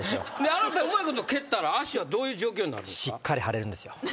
あなたうまいこと蹴ったら足はどういう状況になるんですか？